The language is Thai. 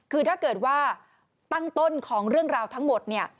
คือถ้าเกิดว่าตั้งต้นของเรื่องราวทั้งหมดเนี่ย